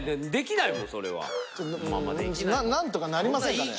なんとかなりませんかね？